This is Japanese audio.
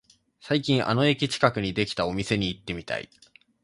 最近あの駅近くにできたお店に行ってみたい